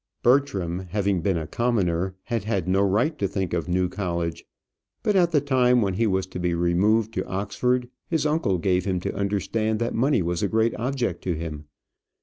Bertram, having been a commoner, had had no right to think of New College; but at the time when he was to be removed to Oxford, his uncle gave him to understand that money was a great object to him.